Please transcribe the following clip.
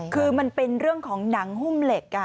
คือมันเป็นเรื่องของหนังหุ้มเหล็ก